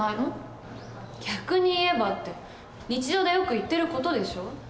「逆に言えば」って日常でよく言ってる事でしょ。